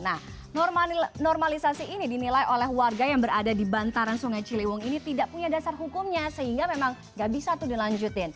nah normalisasi ini dinilai oleh warga yang berada di bantaran sungai ciliwung ini tidak punya dasar hukumnya sehingga memang nggak bisa tuh dilanjutin